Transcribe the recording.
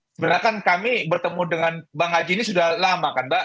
sebenarnya kan kami bertemu dengan bang haji ini sudah lama kan mbak